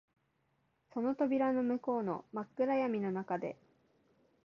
その扉の向こうの真っ暗闇の中で、